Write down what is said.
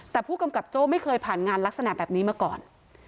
แต่ผู้กำกับโจ้ไม่เคยผ่านงานลักษณะแบบนี้มาก่อน